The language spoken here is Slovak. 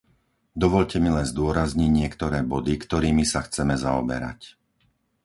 Dovoľte mi len zdôrazniť niektoré body, ktorými sa chceme zaoberať.